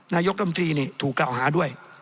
นายกรรมตรีนี่ถูกกล่าวหาด้วย